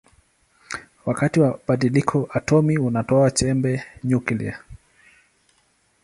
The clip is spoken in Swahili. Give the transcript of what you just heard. Wakati wa badiliko atomi inatoa chembe nyuklia.